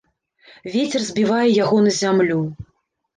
Вецер збівае яго на зямлю.